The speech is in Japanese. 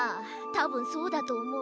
たぶんそうだとおもう。